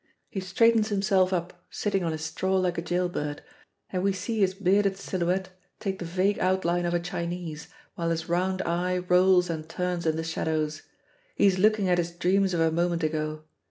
He straightens himself up, sitting on his straw like a gaol bird, and we see his bearded silhouette take the vague outline of a Chinese, while his round eye rolls and turns in the shadows. He is looking at his dreams of a moment ago.